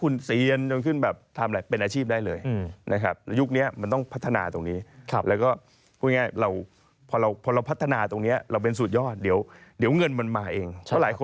นี่ติดเกมคือการสปอร์ตระดับโลก